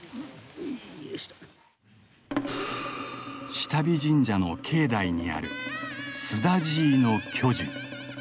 志多備神社の境内にあるスダジイの巨樹。